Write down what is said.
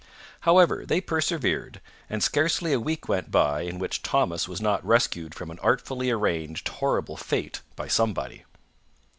However, they persevered, and scarcely a week went by in which Thomas was not rescued from an artfully arranged horrible fate by somebody.